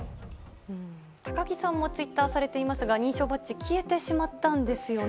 高木さんもツイッターをされていますが認証バッジが消えてしまったんですよね。